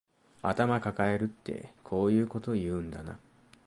頭かかえるってこういうこと言うんだな